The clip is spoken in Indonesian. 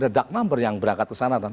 ada dark number yang berangkat ke sana